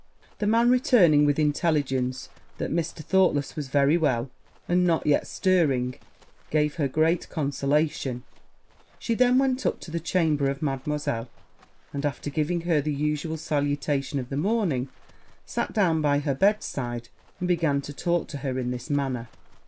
The man returning with the intelligence that Mr. Thoughtless was very well, and not yet stirring, gave her great consolation: she then went up to the chamber of Mademoiselle; and, after giving her the usual salutation of the morning, sat down by her bedside, and began talking in this manner.